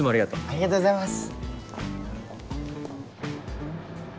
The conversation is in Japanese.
ありがとうございます。